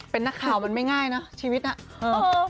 เป็นนักข่าวมันไม่ง่ายนะชีวิตน่ะ